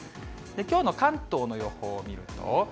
きょうの関東の予報を見ると。